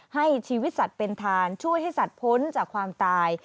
ให้ชีวิตสัตว์เป็นทานช่วยให้สัตว์พ้นจากความตาย